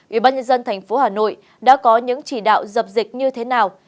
ủy ban nhân dân thành phố hà nội đã có những chỉ đạo dập dịch như thế nào